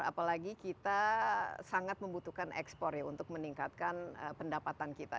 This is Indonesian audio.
apalagi kita sangat membutuhkan ekspor ya untuk meningkatkan pendapatan kita